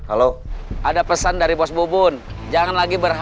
anda tetap orang yang tidur